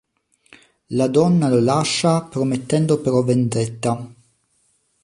La donna lo lascia promettendo però vendetta.